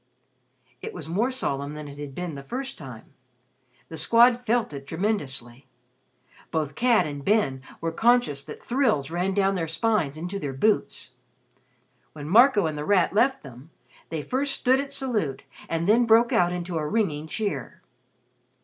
It was more solemn than it had been the first time. The Squad felt it tremendously. Both Cad and Ben were conscious that thrills ran down their spines into their boots. When Marco and The Rat left them, they first stood at salute and then broke out into a ringing cheer.